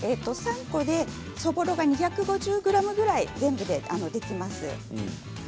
３個でそぼろが２５０ｇぐらい全部でできます。